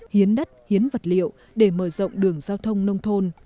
hiến đất hiến vật liệu để mở rộng đường giao thông nông thôn